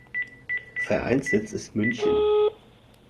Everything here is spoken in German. Vereinssitz ist München.